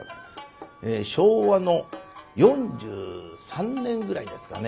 昭和の４３年ぐらいですかね